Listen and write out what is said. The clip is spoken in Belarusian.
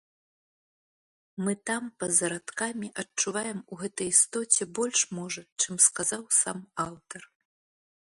Мы там па-за радкамі адчуваем у гэтай істоце больш можа, чым сказаў сам аўтар.